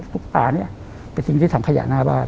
ลูกตาเนี่ยไปทิ้งที่ทำขยะหน้าบ้าน